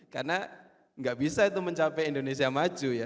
karena enggak bisa itu mencapai indonesia maju ya